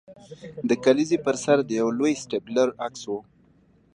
د کلیزې پر سر د یو لوی سټیپلر عکس و